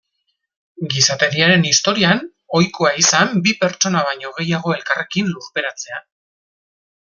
Gizateriaren historian ohikoa izan bi pertsona baino gehiago elkarrekin lurperatzea.